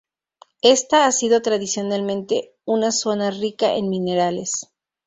Ésta ha sido tradicionalmente una zona rica en minerales.